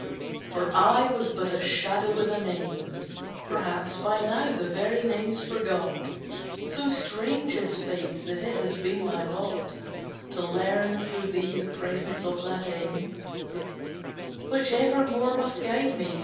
For I was but a shadow with a name, Perhaps by now the very name's forgot; So strange is Fate that it has been my lot To learn through thee the presence of that aim Which evermore must guide me.